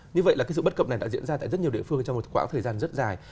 như vậy là cái sự bất cập này đã diễn ra tại rất nhiều địa phương trong một quãng thời gian rất dài